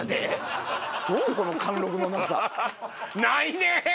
ないねぇ！